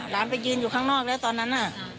หลานไปยืนอยู่ข้างนอกแล้วตอนนั้นอ่ะ